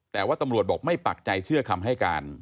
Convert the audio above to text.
แต่ว่าตำรวจบอกไม่ปักใจเชื่อคำให้การ